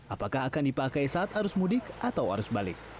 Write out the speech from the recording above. apakah akan dipakai saat arus mudik atau arus balik